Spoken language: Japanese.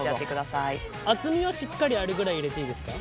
厚みはしっかりあるぐらい入れていいですか？